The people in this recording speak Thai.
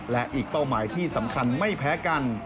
และอีกเป้าหมายที่สำคัญไม่แพ้กัน